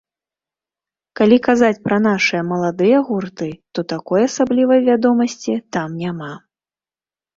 Калі казаць пра нашы маладыя гурты, то такой асаблівай вядомасці там няма.